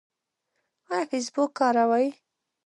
ایا فیسبوک کاروئ؟